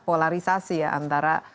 polarisasi ya antara